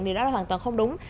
điều đó là hoàn toàn không đúng